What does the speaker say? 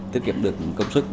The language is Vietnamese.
tiết kiệm được công trình